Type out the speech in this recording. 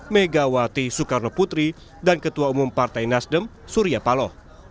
megawati soekarno putri dan ketua umum partai nasdem surya paloh